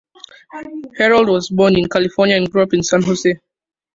Herrold was born in California and grew up in San Jose.